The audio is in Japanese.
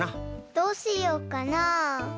どうしようかな。